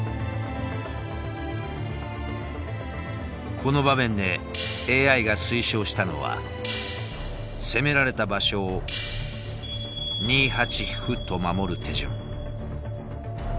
この場面でＡＩが推奨したのは攻められた場所を２八歩と守る手順。